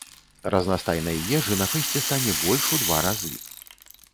Разнастайнай ежы на фэсце стане больш у два разы.